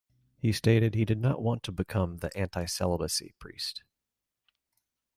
He stated he did not want to become the "anti-celibacy priest".